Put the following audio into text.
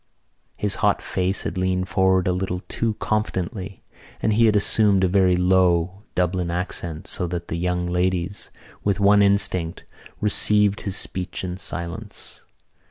'" His hot face had leaned forward a little too confidentially and he had assumed a very low Dublin accent so that the young ladies, with one instinct, received his speech in silence.